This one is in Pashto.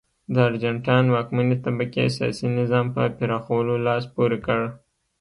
د ارجنټاین واکمنې طبقې سیاسي نظام په پراخولو لاس پورې کړ.